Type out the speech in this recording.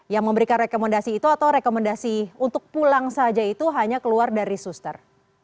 yang memberikan rekomendasi itu atau rekomendasi untuk pulang saja itu hanya keluar dari suster